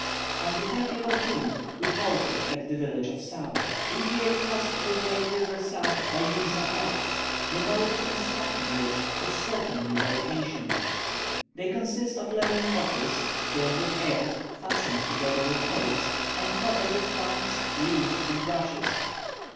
On the 30th of June we halted at the village of Sab. We here crossed the great river Sab by means of rafts, the mode of constructing which is certainly very ancient. They consist of leathern bottles, filled with air, fastened together with poles, and covered with planks, reeds, and rushes.